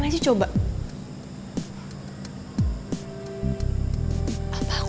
oh ya mungkin nggak buat apa apa